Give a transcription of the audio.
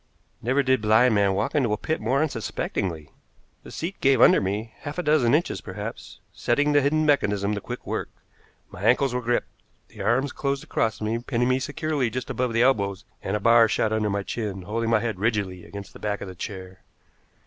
Never did blind man walk into a pit more unsuspectingly. The seat gave under me, half a dozen inches, perhaps, setting the hidden mechanism to quick work. My ankles were gripped, the arms closed across me, pinning me securely just above the elbows, and a bar shot under my chin, holding my head rigidly against the back of the chair.